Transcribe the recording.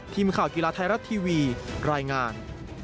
ทีมข่าวกีฬาไทยรัฐทีวีรายงาน